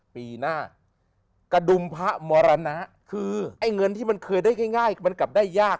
ปีหน้ากระดุมพระมรณะคือไอ้เงินที่มันเคยได้ง่ายมันกลับได้ยาก